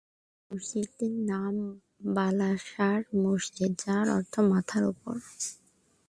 মসজিদটির নাম বালা সার মসজিদ যার অর্থ মাথার উপর।